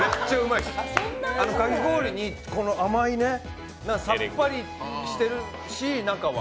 かき氷に甘い、さっぱりしているし、中は。